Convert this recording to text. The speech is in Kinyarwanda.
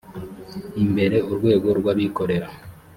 imbere urwego rw abikorera